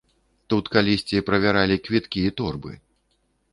Тут калісьці правяралі квіткі і торбы!